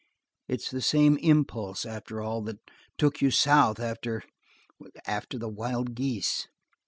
It's the same impulse, after all, that took you south after after the wild geese."